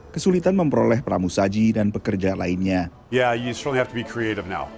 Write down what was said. kesulitan memperoleh pramu saji dan pekerja lainnya